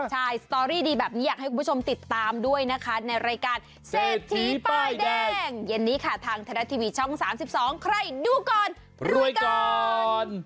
ใช่สตอรี่ดีแบบนี้อยากให้คุณผู้ชมติดตามด้วยนะคะในรายการเศรษฐีป้ายแดงเย็นนี้ค่ะทางไทยรัฐทีวีช่อง๓๒ใครดูก่อนรวยก่อน